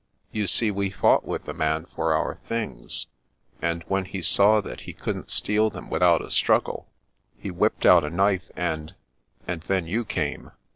You see, we fought with the man for our things; and when he saw that he couldn't steal them with out a struggle, he whipped out a knife and — and then you came.